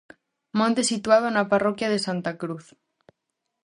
Monte situado na parroquia de Santa Cruz.